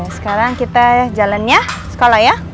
ya udah sekarang kita jalan ya sekolah ya